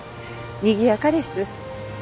にぎやかです。